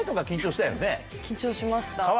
緊張しました。